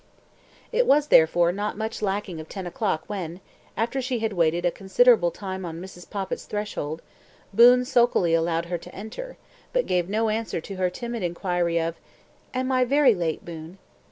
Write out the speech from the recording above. !" It was, therefore, not much lacking of ten o'clock when, after she had waited a considerable time on Mrs. Poppit's threshold, Boon sulkily allowed her to enter, but gave no answer to her timid inquiry of: "Am I very late, Boon?"